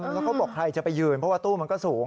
แล้วเขาบอกใครจะไปยืนเพราะว่าตู้มันก็สูง